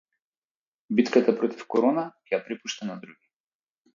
Битката против корона ќе ја препушта на други